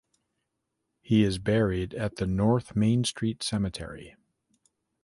He is buried at the North Main Street Cemetery.